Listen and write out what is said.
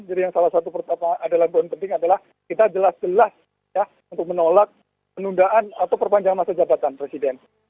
jadi yang salah satu pertanyaan penting adalah kita jelas jelas untuk menolak penundaan atau perpanjang masa jabatan presiden